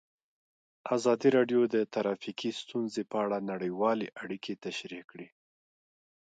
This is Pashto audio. ازادي راډیو د ټرافیکي ستونزې په اړه نړیوالې اړیکې تشریح کړي.